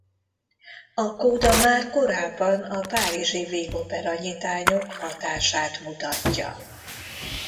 A kóda már korábban a párizsi vígopera nyitányok hatását mutatja.